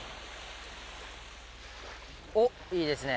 おっいいですね。